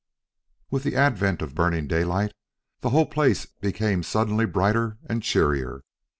With the advent of Burning Daylight the whole place became suddenly brighter and cheerier.